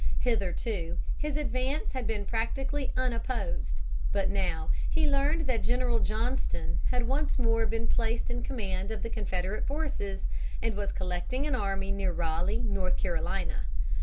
Hitherto, his advance had been practically unopposed. But now he learned that General Johnston had once more been placed in command of the Confederate forces, and was collecting an army near Raleigh, North Carolina.